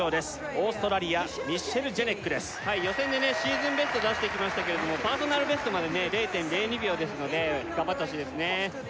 オーストラリアミシェル・ジェネックです予選でシーズンベスト出してきましたけれどもパーソナルベストまで０．０２秒ですので頑張ってほしいですね